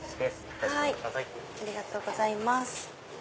ありがとうございます。